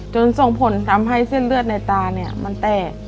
ส่งผลทำให้เส้นเลือดในตาเนี่ยมันแตก